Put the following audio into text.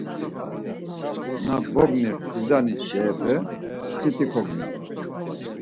Na bogni xizani şeepe siti kognii?